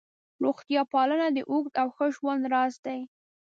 روغتیا پالنه د اوږد او ښه ژوند راز دی.